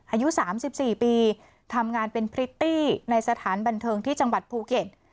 อายุ๓๔ปีทำงานเป็นพริตตี้ในสถานบันเทิงที่จังหวัดภูเก็ต